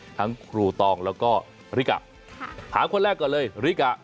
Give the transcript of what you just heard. ครูตองแล้วก็ริกะถามคนแรกก่อนเลยริกะ